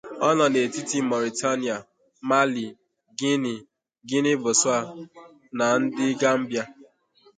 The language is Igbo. O no n'etiti Mauritania, Mali, Guinea, Guinea-Bissau na The Gambia.